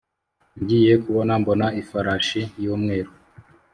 Ngiye kubona mbona ifarashi y’umweru